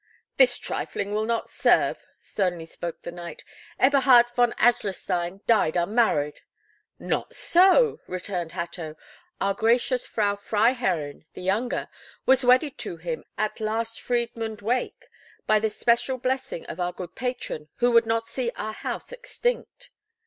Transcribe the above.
"This trifling will not serve!" sternly spoke the knight. "Eberhard von Adlerstein died unmarried." "Not so," returned Hatto, "our gracious Frau Freiherrinn, the younger, was wedded to him at the last Friedmund Wake, by the special blessing of our good patron, who would not see our house extinct."